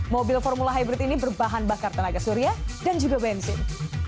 mobil formula hybrid ini berbahan bakar tenaga surya dan juga bensin